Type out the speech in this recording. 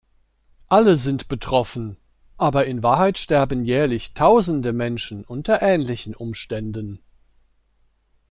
Alle sind betroffen, aber in Wahrheit sterben jährlich Tausende Menschen unter ähnlichen Umständen.